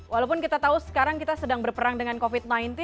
walaupun kita tahu sekarang kita sedang berperang dengan covid sembilan belas